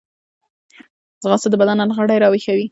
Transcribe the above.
ځغاسته د بدن هر غړی راویښوي